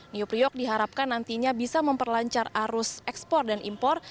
new priok diharapkan nantinya bisa memperlancar arus ekspor dan impor